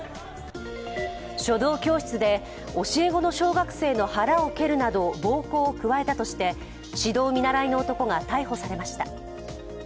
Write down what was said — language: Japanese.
書道教室で、教え子の小学生の腹を蹴るなど暴行を加えたとして、指導見習いの男が逮捕されました。